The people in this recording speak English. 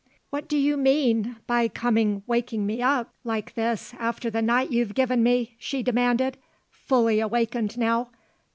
"What do you mean by coming waking me up like this after the night you've given me," she demanded, fully awakened now.